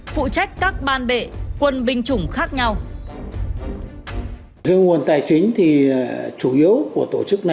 phụ trách các tổ chức